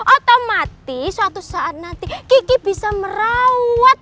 otomatis suatu saat nanti gigi bisa merawat